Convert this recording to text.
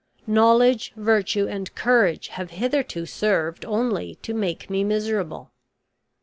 Knowledge, virtue, and courage have hitherto served only to make me miserable."